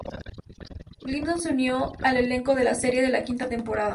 Gibson se unió al elenco de la serie en la quinta temporada.